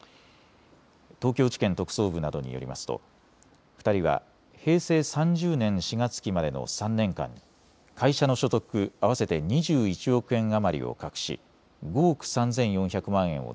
東京地検特捜部などによりますと２人は平成３０年４月期までの３年間、会社の所得合わせて２１億円余りを隠し５億３４００万円を